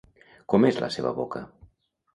Com és la seva boca?